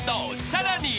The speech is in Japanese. さらに］